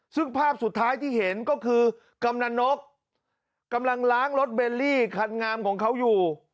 ซึ่งภาพสุดท้ายที่เห็นก็คือกำนันนกกำลังล้างรถเบลลี่คันงามของเขาอยู่